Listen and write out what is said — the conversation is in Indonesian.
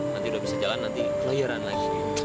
nanti udah bisa jalan nanti peliharaan lagi